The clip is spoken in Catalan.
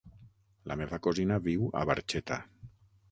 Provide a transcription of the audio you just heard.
La meva cosina viu a Barxeta.